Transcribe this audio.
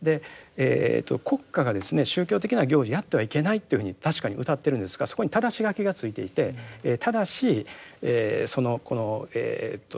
国家がですね宗教的な行事やってはいけないっていうふうに確かにうたっているんですがそこにただし書きが付いていてただしこの習俗とかですね